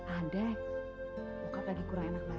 ada bokap lagi kurang enak ladang